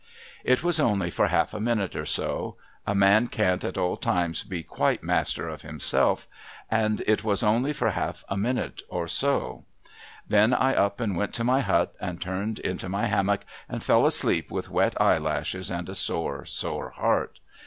It was only fur half a minute or so. A man can't at all times TREACHERY SUSPECTED 159' be quite master of himself, and it was only for half a minute or so. Then I up and Avent to my hut, and turned into my hammock, and fell asleep with wet eyelashes, and a sore, sore heart.